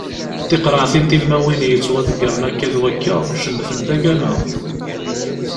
Tiqreɛtin tilmawin yettwadeggren akka d wakka cemtent agama.